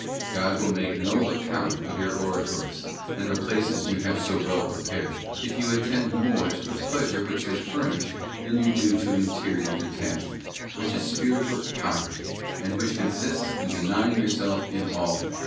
'}{ God will make no account of your oratories, and the places you have so well prepared, if you attend more to the pleasure which they fur nish than you do to interior detachment, which is spiritual poverty, and which consists in denying yourself in all that you may possess.